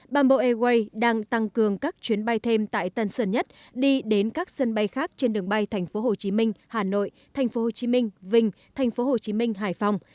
bamboo airways đang tăng cường các chuyến bay thêm tại tân sơn nhất đi đến các sân bay khác trên đường bay tp hcm hà nội tp hcm vinh tp hcm hải phòng